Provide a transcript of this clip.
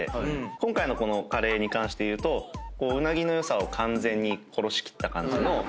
今回のカレーに関して言うとうなぎの良さを完全に殺し切った感じの。